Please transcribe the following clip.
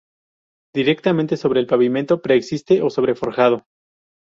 Directamente sobre el pavimento preexistente o sobre el forjado.